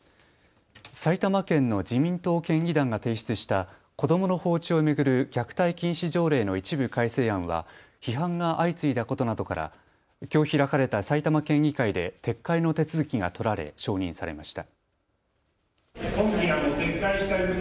埼玉県の自民党県議団が提出した子どもの放置を巡る虐待禁止条例の一部改正案は批判が相次いだことなどからきょう開かれた埼玉県議会で撤回の手続きが取られ承認されました。